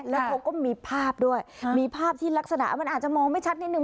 แล้วเขาก็มีภาพด้วยมีภาพที่ลักษณะมันอาจจะมองไม่ชัดนิดนึ